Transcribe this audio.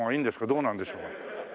どうなんでしょう？